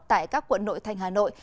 tại các quận nội thành hà nội